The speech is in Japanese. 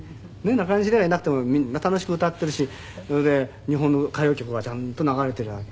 なかにし礼がいなくてもみんな楽しく歌ってるしそれで日本の歌謡曲はちゃんと流れてるわけ。